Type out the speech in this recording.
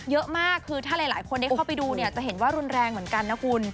เยอะมากคือถ้าหลายคนได้เข้าไปดูเนี่ยจะเห็นว่ารุนแรงเหมือนกันนะคุณ